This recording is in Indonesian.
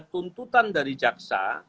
tuntutan dari jaksa